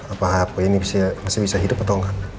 apa ini masih bisa hidup atau enggak